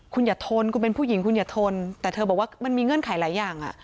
คุณอย่าทนคุณเป็นผู้หญิงคุณอย่าทนแต่เธอบอกว่ามันมีเงื่อนไขหลายอย่าง